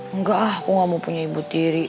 enggak ah aku gak mau punya ibu tiri